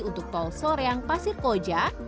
untuk tol soreang pasir koja